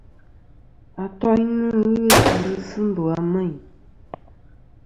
Atoynɨ fhɨ djɨ sɨ ndu a Meyn.